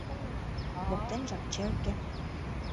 Воктенжак — черке.